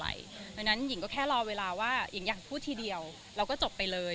ดังนั้นหญิงก็แค่รอเวลาว่าหญิงอยากพูดทีเดียวเราก็จบไปเลย